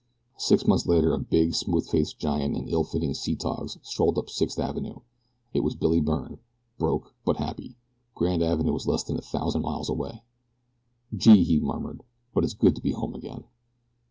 Six months later a big, smooth faced giant in ill fitting sea togs strolled up Sixth Avenue. It was Billy Byrne broke, but happy; Grand Avenue was less than a thousand miles away! "Gee!" he murmured; "but it's good to be home again!"